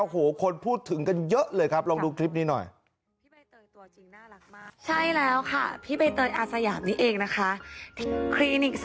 โอ้โหคนพูดถึงกันเยอะเลยครับลองดูคลิปนี้หน่อย